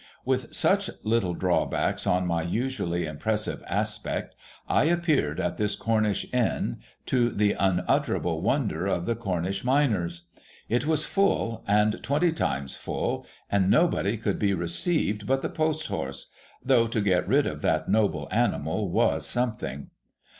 With such little drawbacks on my usually impressive aspect, I appeared at this Cornish Inn, to the unutterable wonder of the Cornish Miners. It was full, and twenty times full, and nobody could be received but the post horse, — though to get rid of that noble animal was something.